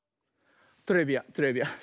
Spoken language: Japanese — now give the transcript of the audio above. トレビアントレビアン。